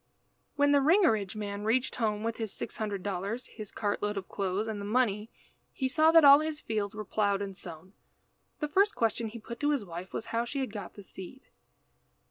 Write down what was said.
When the Ringerige man reached home with his six hundred dollars, his cart load of clothes, and the money, he saw that all his fields were ploughed and sown. The first question he put to his wife was how she had got the seed.